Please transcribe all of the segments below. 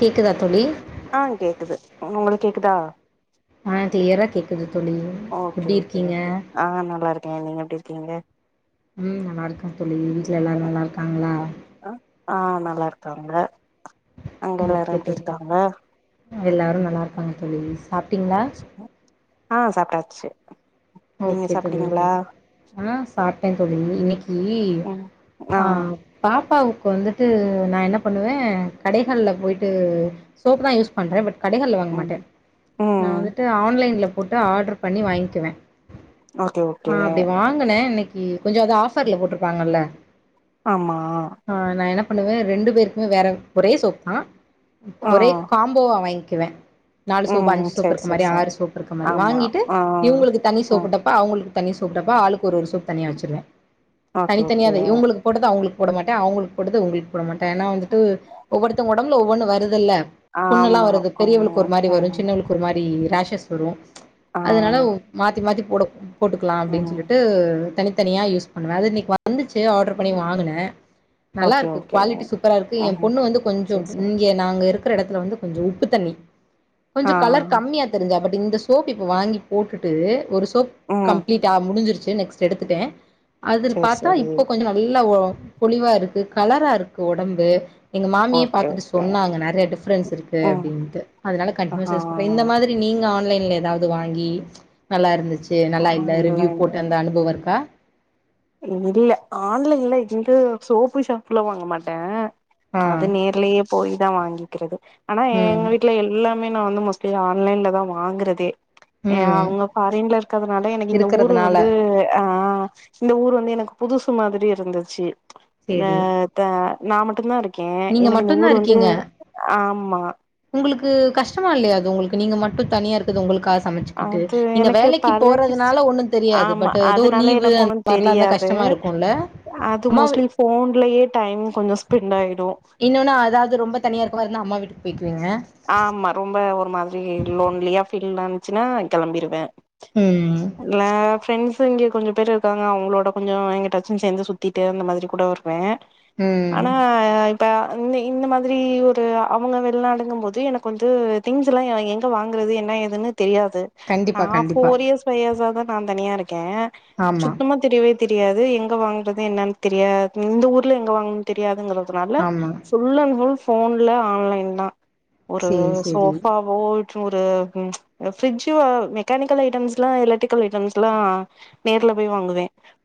கேக்குதா தோழி ஆ கேக்குது உங்களுக்கு‌ கேக்குதா ஆ க்ளியரா கேக் குது தோழி ஓகே எப்டி இருக்கீங்க ஓகேங்க ஆ நல்லா இருக்கே நீங்க எப்டி இருக்கீங்க ம் நல்லா இருக்கே தோழி வீட்டுல எல்லாரு நல்லா இருக்காங்களா ஆ நல்லா இருக்காங்க அங்க எல்லாரு ஓகே எப்டி தோழி இருக்காங்க எல்லாரு நல்லா இருக்காங்க கோழி சாப்டீங்களா ஆ சாப்ட்டாச்சு நீங்க சாப்ட்டீங்களா நல்லாதா சாப்பிட்டே தோழி இன்னிக்கி ம் ஆ பாப்பாவுக்கு வந்துட்டு நா என்ன பண்ணுவே கடைகள்ல போயிட்டு சோப்பு தா யூஸ் பண்றே பட் கடைகள்ல் வாங்க ம் மாட்டே நா ம் வந்துட்டு ஆன்லைன்ல போட்டு ஆர்டர் பண்ணி வாங்கிகுவே ஓகே ஆ ஓகே அப்டி வாங்கனே அன்னைக்கி கொஞ்சோ அது ஆஃபர்ல போட்டிருப்பாங்கல்ல ஆமா ஆ நா என்ன பண்ணுவே ரெண்டு பேருக்குமே வேற ஒரே சோப் தா ஆ ஒரே காம் போவா வாங்க்கிவே நாலு சோப்பு ம் அஞ்சு சோப்பு சேரி இருக்க சேரி மாரி சேரி ஆறு சோப்பு இருக்க மாரி ஆமா வாங்கிட்டு ஆ இவுங்களுக்கு சோப்பு ம் டப்பா அவுங்களுக்கு தனி சோப்பு டப்பா ஆளுக்கு ஒரு ஒரு சோப் தனியா வச்சிருவே ஓகே தனித்தனியா ஓகே இது இவுங்களுக்கு போட்டத அவுங்களுக்கு போட மாட்டே அவுங்களுக்கு போட்டது ஒங்களுக்கு போட மாட்டே ஏனா வந்துட்டு ஒவ்வொருத்தங்க ஒடம்புல ஒவ்வொன்னு வருதுல்ல புண்ணுெல்லா ஆமா வருது பெரியவளுக்கு ம் ஒரு மாரி வரு ம் சின்னவளுக்கு ஒரு மாரி ரேஷஸ் வரு ஆ அதனால மாத்தி மாத்தி போடு போட்டுக்கலா அப்டின்னு ம் சொல்லிட்டு தனித்தனியா யூஸ் பண்ணுவே அது இன்னைக்கி வந்துச்சு ஆர்டர் பண்ணி வாங்குனே நல்லா ஓகே இருக்கு ஓகே குவாலிட்டி சூப்பரா இருக்கு என் ம் பொண்ணு வந்து சேரி கொஞ்சோண்ட்டு சேரி இங்க நாங்க இருக்கிற எடத்துல வந்து கொஞ்சோ உப்பு தண்ணி ஆ கொஞ்சோ கலர் கம்மியா தெரிஞ்சா பட் இந்த சோப்பு இப்ப வாங்கி போட்டுட்டு ஒரு சோப் ம் கம்ப்ளீட் ட்டா முடிஞ்சிருச்சு நெக்ஸ்ட் எடுத்துட்டே அதில் சேரி பாத்தா சேரி இப்போ கொஞ்சோ நல்ல ஓ பொழிவா இருக்கு கலரா இருக்கு உடம்பு எங்க மாமியே ஓகே பாத்துட்டு ஓகே சொன்னாங்க நறையா டிஃபரன்ஸ் இருக்கு ம் அப்டின்ட்டு அதனால ஆஹா கன்டினியூஸா யூஸ் பண்றே இந்த மாதிரி இல்ல நீங்க ஆன்லைன்ல எதாது வாங்கி நல்லா இருந்துச்சு நல்லா இல்ல ரிவ்யூ ஆன்லைன்ல போட்டு அந்த அனுபவோ இருக்கா இல்ல ஆன்லைன்ல இங்க சோப்பு ஷாம்பெல்லா வாங்க மாட்டே ஆ அது நேர்லயே போய் தா வாங்கிகறது ஆனா எங்க ம் வீட்டுல எல் எல்லாமே நா வந்து மோஸ்ட்லி ஆன்லைன்ல தா வாங்குறதே ஏன் ம் அவுங்க ஃபாரின்ல இருக்கிறதுனால எனக்கு இந்த ஊரு இருக்கிறதுனால வந்து அ இந்த ஊர் வந்து எனக்கு புதுசு மாதிரி இருந்துச்சு என்ன சேரி த நா மட்டுந்தா இருக் கே நீங்க எனக்கு இந்த மட்டுந்தா ஊரு வந்து இருக்கீங்க ஆமா உங்களுக்கு கஷ்டமா இல்லையா அது உங்களுக்கு நீங்க மட்டு தனியா இருக் இது உங்களுக்காக சமைச்சுக்கிட்டு அது நீங்க எனக்கு வேலைக்கு பழகிருச்சு போறதுனால ஒன்னு தெரியாது ஆமா பட் எதோ அதனால லீவு எனக்கு ஒன்னு மாரிலா இருந்தா தெரியாது கஷ்டமா இருக்குல்ல அது அம்மா வீ மோஸ்ட்லி ஃபோன்லயே டைம் கொஞ்சோ ஸ்பெண்ட் ஆயிடு இன்னொன்னு அதாது ரொம்ப தனியா இருக்க மாரி இருந்தா அம்மா வீட்டுக்கு பேய்க்குவீங்க ஆமா ரொம்ப ஒரு மாதிரி லோன்லியா ஃபீல் வந்துச்சுனா நா கெளம்பிருவே ம் இல்ல ஃப்ரெண்ட்ஸ் இங்க கொஞ்சோ பேர் இருக்காங்க அவுங்களோட கொஞ்சோ எங்குட்டாச்சு சேர்ந்து சுத்திட்டு அந்த மாதிரி கூட வருவே ம் ஆனா இப்ப இந்த இந்த மாதிரி ஒரு அவுங்க வெளிநாடுங்கு போது அது எனக்கு வந்து திங்ஸ் எல்லா எங்க வாங்குறது என்ன ஏதுன்னு தெரியாது நா கண்டிப்பா கண்டிப்பா ஃபோர் இயர்ஸ் ஃபைவ் இயர்ஸ்ஸா தா நா தனியா இருக்கே சுத்தமா ஆமா சுத்தமா தெரியவே தெரியாது எங்க வாங்குறது என்னனு தெரியாது இந்த ஊர்ல எங்க வாங் தெரியாதுங்கிறதுனால ஆமா ஃபுல் அண்ட் ஃபுல் ஃபோன்ல ஆன்லைன்தா ஒரு சேரி சேரி சோஃபா போய்ட்டு ஒரு ம் இந்த ஃபிரிட்ஜு மெக்கானிக்கல் ஐட்டம்ஸ்லா எலக்ட்ரிக்கல் ஐட்டம்ஸ்லா நேர்ல போய் வாங்குவே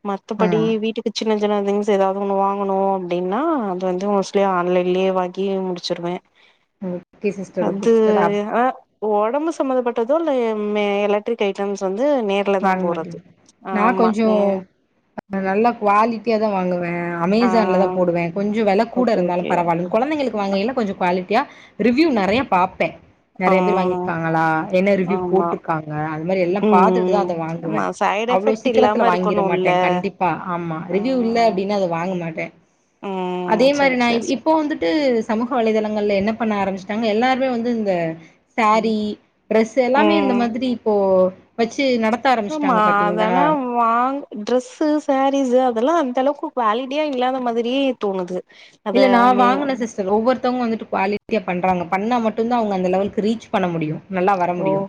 மத்தபடி ஆமா வீட்டுக் சின்ன சின்ன திங்ஸ் எதாவது ஒன்னு வாங்கணு அப்டின்னா அது வந்து மோஸ்ட்லி ஆன்லைன்லேயே வாக்கி முடிச்சுருவே ம் அது அ ஒடம்பு சம்மந்தப்பட்டதோ இல்ல மே எலக்ட்ரிக் ஐட்டம்ஸ் வந்து நேத் ட்லதா வாங்க போறது மாட்டீங்க நா ஆமா கொஞ்சோ ஏ நல்லா குவாலிட்டியாதா வாங்குவே ஆ அமேசான்லதா போடுவே கொஞ்ச வெல கூட ஓகே இருந்தாலும் ஓகே பரவால்ல கொழந்தைங்களுக்கு க்கு வாங்கயில கொஞ்சோ குவாலிட்டியா ரிவ்யூ நெறையா பாப்பே ஆ நெறைய பேர் வாங்கியிருக்காங்களா என்ன ரிவ்யூ ஆமா போட்ருக்காங் க அது மாரி எல்லா பாத்துட் தா ம் அத வாங்குவே ஆமா சைட் அவ்ளோ எஃபெக்ட் சீக்கரத்துல இல்லாம வாங்கிற இருக்கணுல்ல மாட்டே கண்டிப்பா ஆமா ரிவ்யூ இல்ல ஆ அப்டின்னா அத வாங்க மாட்டே அதே ம் மாரி சேரி நா சேரி இப் சேரி இப்போ வந்துட்டு சமூக வலைதளங்கள்ல என்ன பண்ண ஆரம்பிச்டாங்க எல்லாருமே வந்து இந்த ம் சாரீ ட்ரெஸு எல்லாமே இந்த ம் மாதிரி இப்போ வச்சு நடத் ஆமா அது ஆனா வாங் ட்ரெஸ்ஸு சாரீஸ் அதெல்லா அந்தளவுக்கு குவாலிட்டியா இல்லாத மாதிரியே தோணுது அத இல்ல நா மே வாங்குன சிஸ் டர் ஒவ்வொருத்தவுங்க வந்துட்டு குவாலிட்டியா பண்றாங்க பண்ணா மட்டுந்தா அவுங்க அந்த லெவலுக்கு ரீச் பண்ண முடியு நல்லா வர ஓ முடியு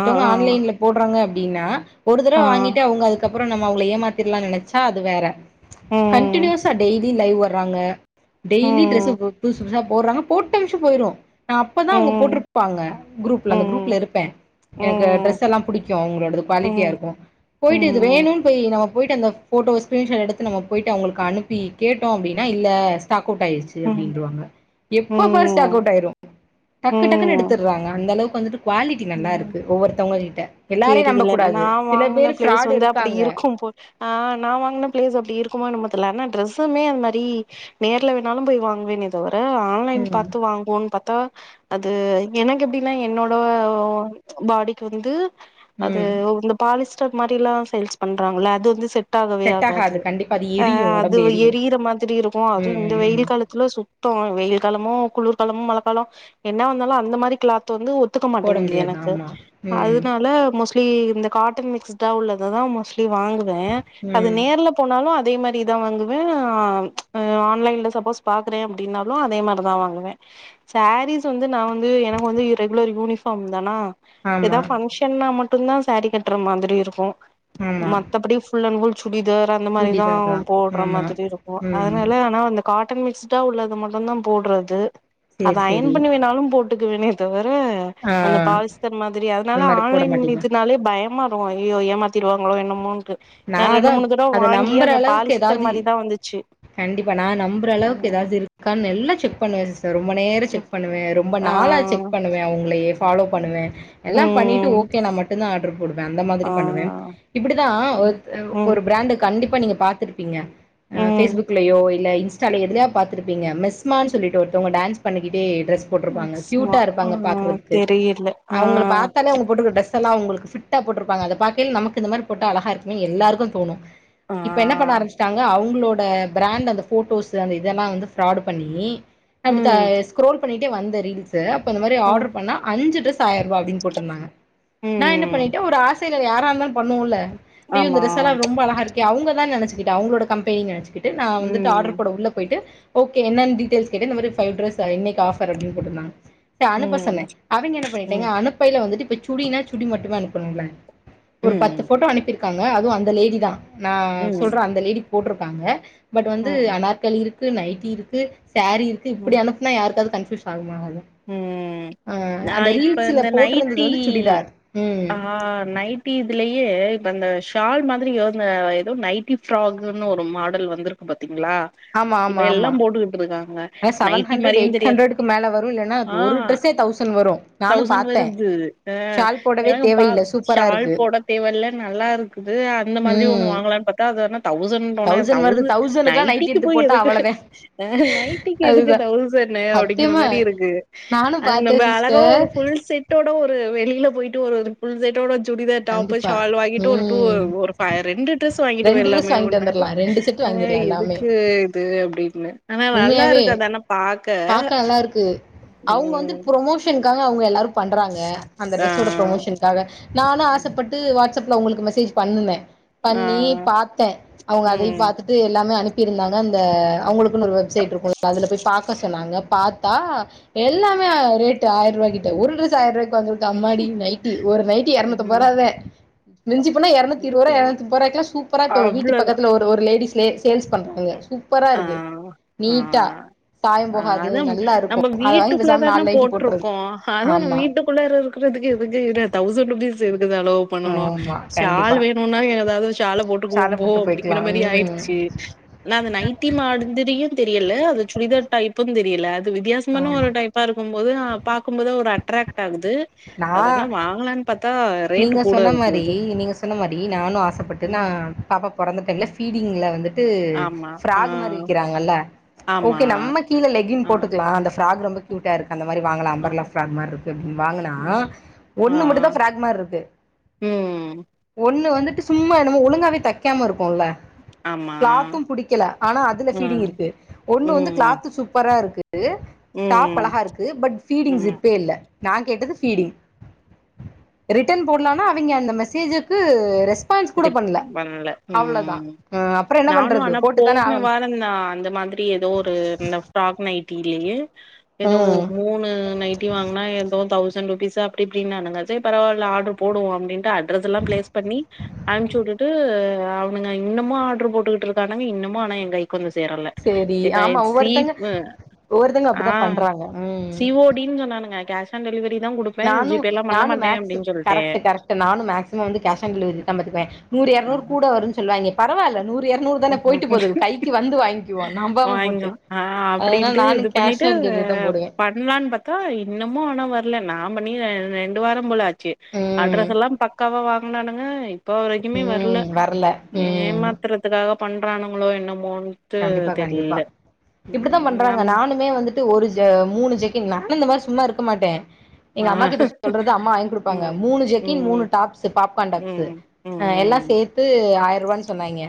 ஆ ஆ ஆன்லைன்ல போட்றாங்க அப்டின்னா ஒரு தடவ ஆ வாங்கிட்டு அவுங்க அதுக் அதுக்கப்பறோ நம்ம அவுங்கள ஏமாத்திர்லா நெனைச்சா அது வேற ம் கண்டினியூஸா டெய்லி லைவ் வர்றாங்க டெய்லி டிரெஸ் ம் புதுசு புதுசா போட்றாங்க போட்ட நிம்ஷோ போயிரு நா அப்பதா அவுங்க ம் போட்ருப்பாங்க குரூப்ல அந்த ம் குரூப்ல இருப்பே ம் எனக்கு ம் டிரஸ் செலாம் புடிக்கு அவுங்களோடது குவாலிட்டியா இருக்கு ம் போயிட்டு இது வேணுன் போயி நம்ம போயிட்டு அந்த போட்டோவ ஸ்கிரீன் ஷாட் எடுத்து நம்ம போயிட்டு அவுங்களுக்கு அனுப்பி கேட்டோ அப்டின்னா இல்ல ஸ்டாக் அவுட் ஆயிருச்சு ம் அப்டின்ருவாங்க எப்ப பாரு ஸ்டாக் ம் அவுட் ஆயிரு டக்கு டக்குன்னு ம் எடுத்துர்றாங்க அந்த அளவுக்கு வந்துட்டு குவாலிட்டி நல்லா ம் இருக்கு ஒவ்வொருத்தவுங்க கிட்ட எல்லாரையு நம்ப தெரியல நா கூடாது சில வாங்குன பேர் பிளேஸ் ஃப்ராடு வந்து அப்டி இருக்காங்க இருக்கும் போல் ஆ நா வாங்குன பிளேஸ் அப்டி இருக்குமா என்னமோ தெர்ல ஆனா டிரெஸுமே அது மாரி நேர்ல வேணாலு போய் வாங்குவேனே தவர ஆ ஆன்லைன் ம் பாத்து வாங்குவோன்னு பாத்தா அது எனக்கு எப்டினா என்னோட ஓ ஃபாடிக்கு அது ம் வந்துப் பாலிஸ்டர் மாரிலா சேல்ஸ் பண்றாங்கள அது வந்து செட் டாகவே ஆகாது கண்டிப்பா அது ஆ எரியு ஒடம்பு அதுவு எரியு எரியிற மாதிரி இருக்கு அதுவு ம் இந்த ம் வெயில் காலத் துல சுத்தோ வெயில் காலமோ குளிர்காலமும் மழ காலோ என்ன வந்தாலு அந்த மாரி கிளாத் வந்து ஒத்துக்க மா போட ட்டேங்குது முடியாது எனக்கு ஆமா ம் அதுனால மோஸ்ட் ட்லி இந்த காட்டன் மிக்ஸ்டா உள்ளததா மோஸ்ட்லி வாங்குவே அது ம் நேர்ல போனாலு அதே மாரிதா வாங்குவே ஆ ஆன்லைன்ல சப்போஸ் பாக்றே னாலு அதே மார்தா வாங்குவே சாரீஸ் வந்து நா வந்து எனக்கு வந்து இரெகுலர் யூனிஃபா ஃபாம் தானா ஆமா எதாவ் பங்ஷன்னா மட்டுந்தா சாரீ கட்ற மாதிரி இருக்கு ஆமா மத்தபடி ஃபுல் அண்ட் ஃபுல் சுடிதார் அந்த மாரிதா சுடிதார் தா போடுற ஆமா மாதிரி இருக்கு ம் அதுனால ஆனா அந்த காட்டன் மிக்ஸ்டா உள்ளது மட்டுந்தா போட்றது அத சேரி அயன் சேரி பண்ணி வேணாலும் போட் ட்டுக்குவேனே தவர ஆ அந்த பாலிஸ்டர் மாதிரி அதுனால அந்த மாரி போட ஆன்லைன் மாட்டீங்க இதுனாலே பயமா இருக்கு ஐய்யய்யோ ஏமாத்திருவாங்களோ என்னமோன்ட்டு நா அதா ரெண்டு மூணு தடவ அத வாங்கி நம்புற அந்த அளவுக்கு பாலிஸ்டர் ஏதாவது மாரிதா வந்துச்சு கண்டிப்பா நா நம்புற ஆ அளவுக்கு எதாவது இருக்கான்னு நல்லா செக் பண்ணுவே சிஸ் ரொம்ப நேரோ ம் செக் பண்ணுவே ரொம்ப ஆ நாளா செக் பண்ணுவே அவுங்களையே ஃபாலோ பண்ணுவே எல்லாம் பண்ணிட்டு ம் ஓகேனா மட்டுந்தா ஆர்ட்ரு போடுவே அந்த மாதிரி பண்ணுவே இப்புடிதா ஒ ஒரு பிராண்ட்டு கண்டிப்பா நீங்க பாத்திருப்பீங்க ம் ஃபேஸ்புக்லயோ இல்ல இன்ஸ் டாலயோ எதலியா பாத்திருப்பீங்க மெஸ்மான்னு சொல்லிட்டு ஒருத்தவங்க டான்ஸ் பண்ணிக்கிட்டே டிரெஸ் போட்டுருப்பாங்க சும்மா கியூட்டா ஆ இருப்பாங்க பாக்கறதுக்கு தெரியல ஆ அவுங்கள பாத்தாலே அவுங்க போட்டுருக்க ட்ரெஸ் ஸெல்லா அவுங்களுக்கு ஃபிட்டா போட்டிருப்பாங்க அதை பாக்கையில நமக்கு இந்த மாரி போட்டா அழகா இருக்குமே எல்லாருக்கு தோணு ஆ இப்ப என்ன பண்ண ஆரம்பிச்சிட்டாங்க அவுங்களோட பிராண்ட்டு அந்த ஃபோட்டோஸ் அந்த இதெல்லா வந்து ஃபிராடு பண்ணி அடுத்த ம் ஸ்க்ரோல் பண்ணிட்டே வந்த ரீல்ஸ்ஸு அப்ப இந்த மாரி ம் ஆர்டர் பண்ணா அஞ்சு டிரெஸ் ஆயிர ரூபா அப்டின்னு போட்டிருந்தாங்க நா என்ன ம் பண்ணிட்ட ஒரு ஆசைல யாரா இருந்தாலு பண்ணுவோல்ல அய்யோ இந்த ஆமா ட்ரெஸ்ஸெல்லா ரொம்ப அழகா இருக்கே அவுங்கதா நெனச்சுக்கிட்ட அவுங்களோட கம்பெனி நெனைச்சு கிட்டு நா வந்துட்டு ஆர்டர் ம் போட உள்ள போயிட்டு ஓகே என்னன்னு டீடெய்ல்ஸ் கேட்டு இந்த மாரி ஃபைவ் ட்ரெஸ்ஸா இன்னைக்கு ஆஃபர் அப்டின்னு போட்டிருந்தாங்க சரி அனுப்ப சொன்ன ம் அவிங்க என்ன பண்ணிட்டாங்க ம் அனுப்பைல வந்துட்டு இப்ப சுடினா சுடி மட்டுமே அனுப்பனுமல்ல ஒரு பத்து ம் ஃபோட்டோ அனுப்பிருக்காங்க அதுவு அந்த லேடிதா நா சொல்ற ம் அந்த லேடி போட்டிருக்காங்க பட் வந்து ம் அனாற்களி இருக்கு நைட்டி இருக்கு சேரி இருக்கு ம் இப்டி அனு ப்னா யாருக்காது கன்ஃபியூஷன் ஆகுமா ஆகாதா ம் ஆ நா அந்த இப்ப ரீல்ஸ்ல இந்த போட்டிருந்தது நைட்டி வந்து சுடிதார் ம் ஆ நை ட்டி இதுலயே இப்ப அந்த ஷால் மாதிரி இவுங்க எதோ நைட்டி ஃப்ராக்னு ஒரு மாடல் வந்துரு பாத்தீங்ளா ஆமா இப்ப ஆமா எல்லா ஆமா போட்டுக்கிட்டு இருக்காங்க ஆனா செவன் நைட்டி ஹண்ட்ரட் மாரியுந் எயிட் தெரியாது ஹண்ட்ரடுக்கு மேல வரும் இல்லன்னா ஆ ஒரு ட்ரெஸ்ஸே தௌசண்ட் வரும் நானும் தௌசண்ட் பாத்தே வருது ஆ ஷால் போடவே எனக்கு பா தேவையில்ல சூப்பரா ஷால் இருக்கு போட தேவ இல்ல நல்லா இருக்குது அந்த மாரி ம் ஒண்ணு வாங்கலான்னு பாத்தா அது என்ன தௌசண்ட் ஒன்ன வருது தௌசண்ட் தௌசண்ட்க்குல்லா நைட்டி நைட்டிக்கு எடுத்து போய் போட்டா எதுக்கு அவ்வளதா நைட்டிக்கு எதுக்கு அதுதா தௌசண்ட் னு அப்டிங்கிற சத்தியமா மாரி இருக்கு நானு அதுக்கு பாத்தே நம்ம அழகா ஒரு சிஸ்டர் ஃபுல் செட்டோட ஒரு வெளில போயிட்டு ஒரு ஃபுல் செட்டோட சுடிதார் டாப்பு கண்டிப்பா ஷால் வாங்கிட்டு ஒரு டூ ம் ஒரு ப ரெண்டு ட்ரெஸ் வாங்கிட்டு ரெண்டு ட்ரெஸ் போய்ர்லாமே வாங்கிட்டு ஒண்ண வந்துரலா ரெண்டு செட் அ வாங்கிரலா எல்லாமே எதுக்கு இது அப்டின்னு ஆனா நல்லா உண்மையாவே இருக்கு அது ஆனா பாக்க பாக்க நல்லாருக்கு அவுங்க வந்து ம் ப்ரொமோஷன்காக அவுங்க எல்லாரு பண்றாங்க அந்த ஆ ட்ரெஸோட ப்ரமோஷன் க்காக நானு ஆசப்பட்டு வாட்ஸ்அப்ல உங்களுக்கு மெசேஜ் பண்ணுன ஆ பண்ணி பாத்த அவுங்க அதையு ம் பாத்துட்டு எல்லாமே அனுப்பிருந்தாங்க அந்த அவுங்களு அதுக்குனு ஒரு வெப்சைட் இருக்குல்ல அதுல போய் பாக்க சொன்னாங்க பா த்தா எல்லாமே ரேட்டு ஆயிரூவாகிட்ட ஒரு ட்ரெஸ் ஆயிர ரூவாய்க்கு வாங்கறக்கு அம்மாடி நை ட்டி ஒரு நைட்டி ம் எரநூத்தம்பதுரூபாத மிஞ்சி போனா எரநூத்தி இருவது ரூவா எரநூத்தி முப்பது ரூவாய்க்கல்லா சூப்பரா வீட்டு அவ்ளோதா பக்கத்தில ஒரு அந்த ஒரு லேடிஸ்லயே சேல்ஸ் பண்றாங்க சூப்பரா இருக்கு அவோ ஆ நீட்டா சாயம் போகாது அதா நல்லா இருக்கு நம்ம அத வாங்கி வீட்டுக்குள்ள பேசாம தானே நாலு நைட்டி போட்றது போட்ருக்கோ அதா நம்ம ஆமா வீட்டு க்குள்ளார இருக்கறதுக்கு எதுக்கு நா தௌசண்ட் ருப்பீஸ் எதுக்கு செலவு பண்ணனு ஆமா ஷால் கண்டிப்பா வேணுனா எதாவது ஷால சால போட்டுக்குவோம்போ போட்டு போய்க்கலா அப்டிங்கிற மாரி ம் ஆயிடுச்சு நான் அந்த நைட்டி மாதிரியு தெரியல அது சுடிதார் டைப்புன் தெரியல அது வித்தியாசமான ஆமா ஒரு டை ப்பாருக்கும்போது பாக்கும்போது ஒரு அட்ராக்ட் ஆகுது நா அதனா வாங்கலானு பாத்தா ரேட்டு நீங்க கூட சொன்ன மாரி இருந்தது நீங்க சொன்ன மாரி நானு ஆசப்பட்டு நா ம் பாப்பா பொறந்த டைம்ல ஃபீடிங்ல வந்துட்டு ஆமா ஆ ஃப்ராக் மாரி விக்கிறாங்கல்ல ஆமா ஓகே நம்ம கீழ் லெகின் ஆ போட்டுக்லா அந்த ஃப்ராக் ரொம்ப க்கிவிட்டாரு அந்த மாரி வாங்கலா ஆ அம்பர்ல்லா ஃப்ராக் மார்ருக்கு வாங்குனா ம் ஆ ஒன்னு மட்டுந்தா ஃப்ராக் மாரிருக்கு ம் ஒண்ணு வந்துட்டு சும்மா என்னமோ ஒழுங்காவே தெக்காம இருக்குமல்ல ஆமா க்லாத்தும் புடிக்கல ஆனா அதுல ஆ ஃபீடிங் இருக்கு ஒண்ணு வந்து ம் கிளாத்து சூப்பரா இருக்கு டாப் ம் அழகா இருக்கு பட் ஃபீடிங் ம் சிப்பே இல்ல நா கேட்டது ஃபீடிங் ரிட்டர்ன் போடலானா அவிங்க அந்த மெசேஜுக்கு ரெஸ் பான்ஸ் கூட ரிப் பண்ணல அவ்வளோதா ம் அப்புறோ என்ன பண்றது போட்டு தானே ஆகணு ன்னா அந்த மாதிரி ஏதோ ஒரு இந்த ஃப்ராக் நைட்டிலயே எதோ ம் மூணு நைட் டி வாங்கனா எதோ தௌசண்ட் ருபீஸு அப்டீப்டீனானுங்க செரி பரவால்ல ஆட்ரு போடுவோ அப்டீன்டு அ வரதெல்லா பிளேஸ் பண்ணி அம்ச்சு வுட்டுட்டு இது அவனுங்க இன்னுமு ஆர்டுரு போட்டுகுட்ருக்கானுங்க இன்னமு ஆனா எ கைக்கு வந்து சேரல சேரி ஆமா இதாயிட்ச்சு சி ஒவ்வொருத்தங்க வ ஒவ்வொருத்தங்க ஆ அப்டித்தா பண்றாங்க ம் சி வோ ட்டி னு சொன்னானுங்க கேஷ் ஆன் டெலிவரி தா குடுப் நானு நானு மேக்ஸ்ஸு கரக்ட்டு கரக்ட்டு நானு மேக்ஸிமம் வந்து கேஷ் ஆன் டெலவரி தா பாத்துக்குயோ நூறு எரநூறு கூட சொல்ட்டே வரோனு சொல்லுவாய்ங்க பரவால்ல நூறு எரநூறு தானே போயிட்டு போது கைக்கு வந்து வாங்கிவோ நம்பாம போட்டு வாங்கிக்கலாம். ஆ அதனால நானு கேட்டு கேஷ் ஆன் டெலவரிதா போடுவ பண்லான்னு பாத்தா இன்னமோ ஆனா வரல நா பண்ணி ரெண்டு வாரோ போல ஆச் சு ம் அட்ரஸ் எல்லா பக்காவா வாங்கனானுங்க இப்போ வரைக்குமே வர்ல வர்ல ம் ஏமாத்துறதுக்காக பண்றானுங்களோ என்னமோனு கண்டிப்பா கண்டிப்பா இப்புடித்தா பண்றாங்க நம் நானு நானு வந்துட்டு ஒரு ஜ மூணு ஜெக்கின் நானு இந்த மாரி சும்மா இருக்க மாட்டே ஆ எங்க அம்மா கிட்ட சொல்றது அம்மா வாங்கி குடுப்பாங்க ம். மூனு ஜக்கின் மூணு ம். டப்ஸ்சு பாப்கான் டாப்ஸு ம். இருக்கு ம். அ எல்லா ம். சேத்து ஆயிரபான்னு சொன்னாய்ங்க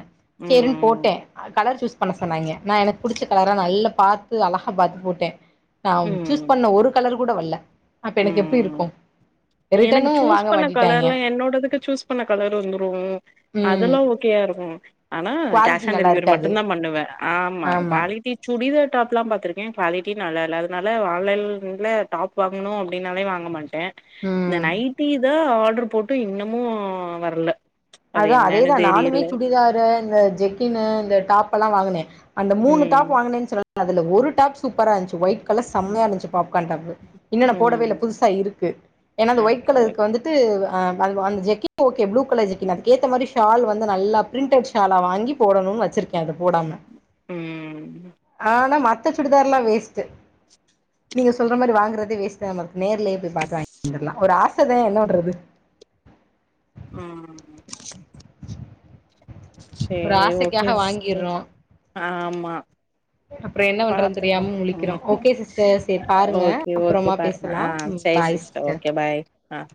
செரின்னு ம். போட்டே அ கலர் சூஸ் பண்ண சொன்னாய்ங்க நா பிடிச்ச கலரா நல்லா பாத்து அழகா பாத்து போட்டேன் நா சூஸ் ம். பண்ண ஒரு கலரு கூட வல்ல அப்ப எனக்கு எப்டி ம். இருக்கோ எனக்கு ரிட்டனு சூஸ் வாங்க பண்ண மாட்டிட்டாங்க கலர்லா என்னோடதுக்கு சூஸ் பண்ண கலர் வந்துரோ ம் அதெல்லா ஓகயா இருக்கோ ஆனா கேஷ் குவாலிட்டி ஆன் நல்லா டெலிவரி இருக்காது மட்டுந் தா பண்ணுவே ஆமா குவாலிட்டி சுடிதார் டாப்லா பாத்ருக்கே குவாலிட்டி நல்லா இல்ல அதனால ஆன்லைன்ல டாப் வாங்கனோ அப்டின்னாலே வாங்க மாட்டே ம் இந்த நைட்டி தா ஆர்டுரு போட்டு இன்னமு வர்ல அதா அதேதா நானுமே சுடிதாரு இந்த ஜெக்கின்னு இந்த டாப் எல்லா வாங்குனே அந்த மூணு ம் டாப் வாங்கனேன்னு சொல்லலே அதுல ஒரு டாப் சூப்பரா இருந்துச்சு ஒயிட் கலர் சம்மையா இருச்சு பாப்கார்ன் டாப்பு இன்னோ நா போடவேல ம் புதுசா இருக்கு அந்த ஒயிட் ஓகே கலருக்கு ஓகே வந்து து அ அந் அந்த ஜெக்கினு ஓகே ப்ளூ கலர் ஜெக் நீங்க அதுக்கேத்த மாதிரி ஷால் வந்து நல்லா பிரிண்டட் ஷாலா வாங்கி போடணோனு வெச்சிருக்கே அது போடாம ம் அனா மத்தசுடிதார்ல்லா வேஸ்ட்டு நீங்க சொல்ற மாரி வாங்கறதே வேஸ்ட்தா நமக் நேர்லே போய் பா்த்து வாங்கில்லாம் ஒரு ஆசதே என்னபன்றது ம் ஒரு செரி ஓகே ஆசைக்காக சிஸ்டர் வாங்கிர்றோ ஆமா அப்றோ என்ன பண்றதுன்னு பாத்துக்கோ தெரியாம முழிக்கிறோ ம் ஓகே சிஸ்டர் சேரி பாருங்க ஓகே ஓகே அப்றமா பாரு பேசலா ஆ ம் செரி பாய் சிஸ்டர் ஓகே பாய் ஆ